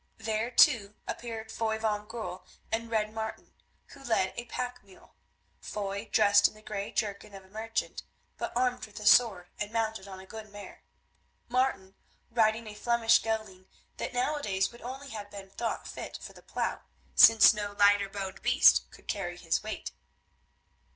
There, too, appeared Foy van Goorl and Red Martin, who led a pack mule; Foy dressed in the grey jerkin of a merchant, but armed with a sword and mounted on a good mare; Martin riding a Flemish gelding that nowadays would only have been thought fit for the plough, since no lighter boned beast could carry his weight.